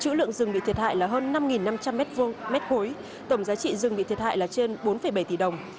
chữ lượng rừng bị thiệt hại là hơn năm năm trăm linh m hai tổng giá trị rừng bị thiệt hại là trên bốn bảy tỷ đồng